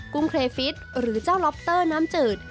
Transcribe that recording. ุ้งเครฟิตหรือเจ้าล็อปเตอร์น้ำจืด